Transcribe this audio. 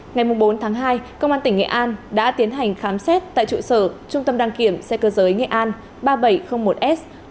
ngày bốn tháng hai công an tỉnh nghệ an đã tiến hành khám xét tại trụ sở trung tâm đăng kiểm xe cơ giới nghệ an ba nghìn bảy trăm linh một s